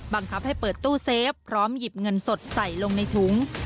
บังคับให้เปิดตู้เซฟพร้อมหยิบเงินสดใส่ลงในถุง